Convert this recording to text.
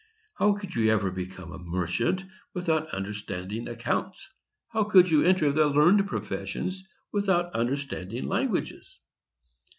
How could you ever become a merchant, without understanding accounts? How could you enter the learned professions, without understanding languages?